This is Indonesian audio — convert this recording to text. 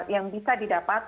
yang bisa didapat